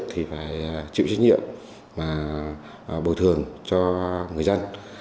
thì phải chịu trách nhiệm mà bồi thường cho người dân